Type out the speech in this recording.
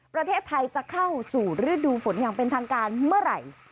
ประเทศไทยจะเข้าสู่ฤดูฝนอย่างเป็นทางการเมื่อไหร่